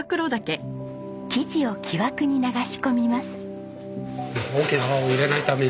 生地を木枠に流し込みます。